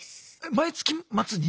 毎月末に？